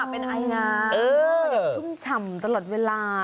เป็นไอนาแบบชุ่มฉ่ำตลอดเวลา